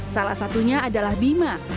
salah satunya adalah bima